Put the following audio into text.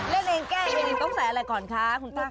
เล่นเองแกะเนี่ยต้องใส่อะไรก่อนคะคุณป้าคะ